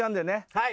はい。